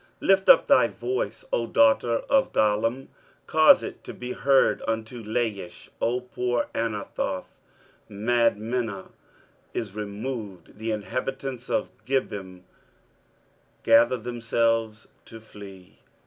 23:010:030 Lift up thy voice, O daughter of Gallim: cause it to be heard unto Laish, O poor Anathoth. 23:010:031 Madmenah is removed; the inhabitants of Gebim gather themselves to flee.